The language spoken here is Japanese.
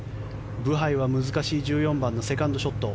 ブハイは難しい１４番のセカンドショット。